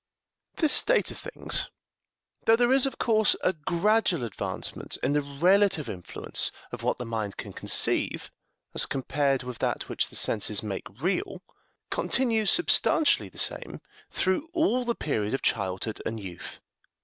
This state of things, though there is, of course, a gradual advancement in the relative influence of what the mind can conceive, as compared with that which the senses make real, continues substantially the same through all the period of childhood and youth.